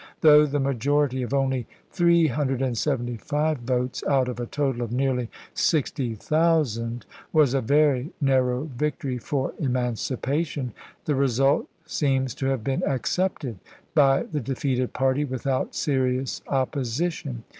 Though the majority of only 375 votes out of a total of nearly 60,000 was a very narrow victory for emancipa tion, the result seems to have been accepted by the defeated party without serious opposition.